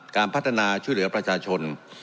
การพัฒนาช่วยเหลือประชาชน